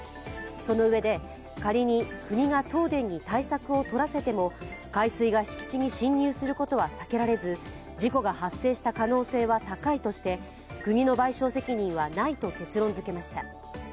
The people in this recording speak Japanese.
そのうえで、仮に国が東電に対策を取らせても、海水が敷地に浸入することは避けられず事故が発生した可能性は高いとして、国の賠償責任はないと結論づけました。